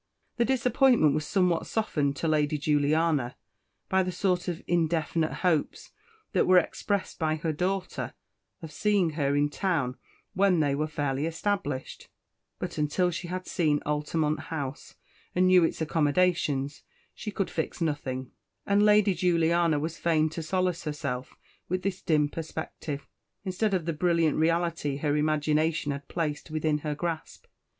The disappointment was somewhat softened to Lady Juliana by the sort of indefinite hopes that were expressed by her daughter of seeing her in town when they were fairly established; but until she had seen Altamont House, and knew its accommodations, she could fix nothing; and Lady Juliana was fain to solace herself with this dim perspective, instead of the brilliant reality her imagination had placed within her grasp.